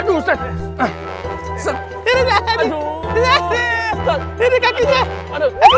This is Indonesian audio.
aduh jangan di tokek ini dong